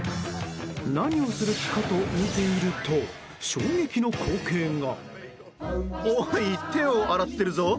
何をする気かと見ていると衝撃の光景が。